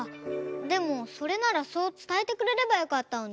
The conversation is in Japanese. でもそれならそうつたえてくれればよかったのに。